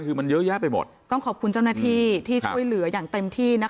คือมันเยอะแยะไปหมดต้องขอบคุณเจ้าหน้าที่ที่ช่วยเหลืออย่างเต็มที่นะคะ